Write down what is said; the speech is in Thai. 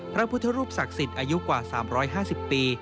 พระพุทธรูปศักดิ์สิทธิ์อายุกว่า๓๕๐ปี